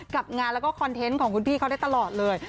กับงานแล้วก็คอนเทนต์ของคุณพี่เขาได้ตลอดเลย